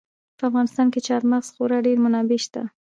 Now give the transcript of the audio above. په افغانستان کې د چار مغز خورا ډېرې منابع شته دي.